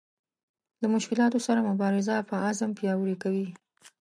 له مشکلاتو سره مبارزه په عزم پیاوړې کوي.